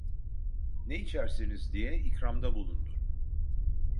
"Ne içersiniz?" diye ikramda bulundu.